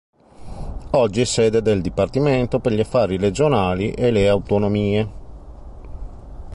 Oggi è sede del Dipartimento per gli affari regionali e le autonomie.